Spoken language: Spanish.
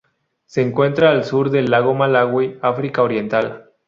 Se encuentra al sur del lago Malawi África Oriental